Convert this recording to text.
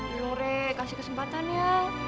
yuk re kasih kesempatan ya